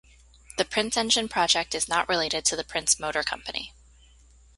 The Prince engine project is not related to the Prince Motor Company.